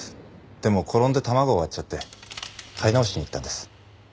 でも転んで卵を割っちゃって買い直しに行ったんです。